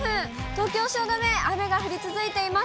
東京・汐留、雨が降り続いています。